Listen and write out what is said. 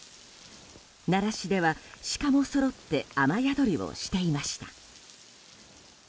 奈良市では鹿もそろって雨宿りをしていました。